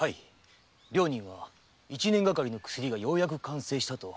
両人は一年がかりの薬がようやく完成したと大喜びでした。